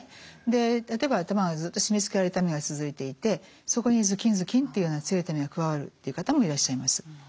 例えば頭がずっと締めつけられる痛みが続いていてそこにズキンズキンというような強い痛みが加わるという方もいらっしゃいます。